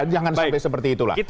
jangan sampai seperti itulah